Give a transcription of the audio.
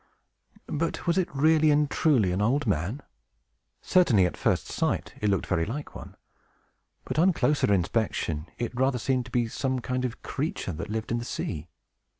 But was it really and truly an old man? Certainly, at first sight, it looked very like one; but, on closer inspection, it rather seemed to be some kind of a creature that lived in the sea.